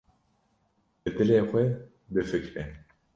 Bi dilê xwe bifikre.